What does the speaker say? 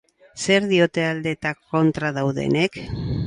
Zer diote alde eta kontra daudenek?